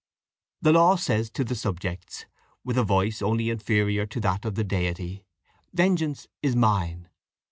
The law says to the subjects, with a voice only inferior to that of the Deity, 'vengeance is mine.'